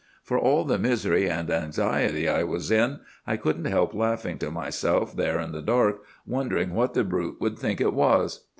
For all the misery and anxiety I was in, I couldn't help laughing to myself there in the dark, wondering what the brute would think it was.